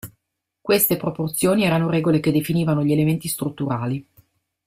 Queste proporzioni erano regole che definivano gli elementi strutturali.